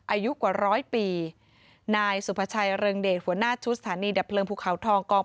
อายุกว่าร้อยปีนายสุภาชัยเรืองเดชหัวหน้าชุดสถานีดับเพลิงภูเขาทองกอง